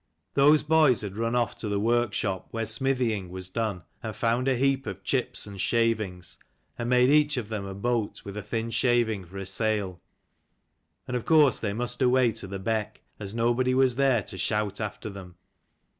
Those COMING, boys had run off to the work shop where smithying was done, and found a heap of chips and shavings, and made each of them a boat, with a thin shaving for a sail : and of course they must away to the beck, as nobody was there to shout after them.